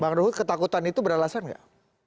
bang ruhut ketakutan itu beralasan nggak